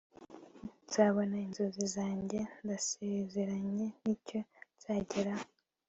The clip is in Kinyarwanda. nzabona inzozi zanjye, ndasezeranye; nicyo nzageraho